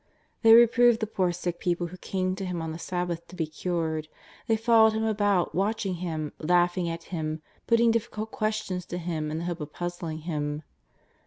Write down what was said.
They reproved the poor sick people who came to Him on the Sabbath to be cured. Thej followed Him about, watching Him, laughing at Him, putting difficult ques tions to Him in the hope of puzzling Him.